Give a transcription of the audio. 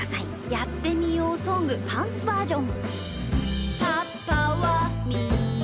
「やってみようソングパンツバージョン」。